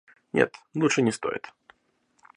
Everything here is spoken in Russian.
Нет, лучше не стоит.